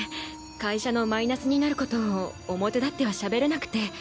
会社のマイナスになることを表立ってはしゃべれなくて。